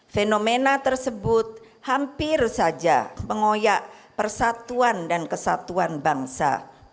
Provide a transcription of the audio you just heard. fenomena tersebut hampir saja mengoyak persatuan dan kesatuan bangsa